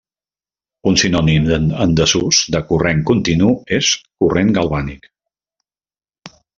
Un sinònim en desús de corrent continu és corrent galvànic.